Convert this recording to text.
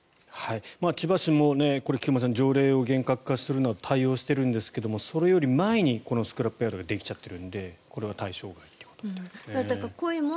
千葉市も菊間さん条例を厳格化するよう対応しているんですがそれより前にこのスクラップヤードができちゃってるのでこれは対象外みたいですね。